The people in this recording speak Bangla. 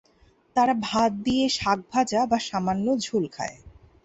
তারা ভাত দিয়ে শাক ভাজা বা সামান্য ঝোল খায়।